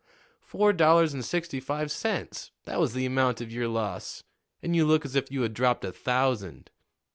Four dollars and sixty five cents that was the amount of your loss; and you look as if you had dropped a thousand."